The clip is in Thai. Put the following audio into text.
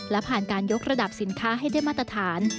และผ่านการยกระดับสินค้าให้ได้มาตรฐาน